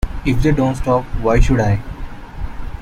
If they don't stop, why should I?